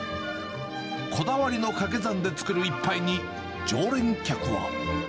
こだわりのかけ算で作る一杯に、常連客は。